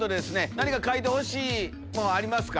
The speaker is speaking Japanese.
何か描いてほしいものありますか？